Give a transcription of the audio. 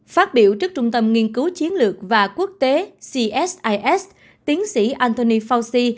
phát biểu trước trung tâm nghiên cứu chiến lược và quốc tế csis tiến sĩ antony fauci